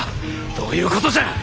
どういうことじゃ！